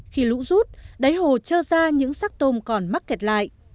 khi lũ rút đáy hồ trơ ra những sắc tôm còn mắc kẹt lại